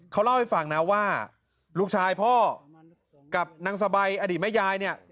เขาเล่าให้ฟังนะว่าลูกชายพ่อกับนางสบายอดีตแม่ยายเนี่ย